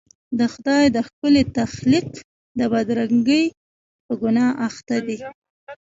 د خدای د ښکلي تخلیق د بدرنګۍ په ګناه اخته دي.